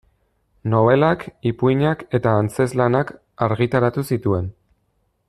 Nobelak, ipuinak eta antzezlanak argitaratu zituen.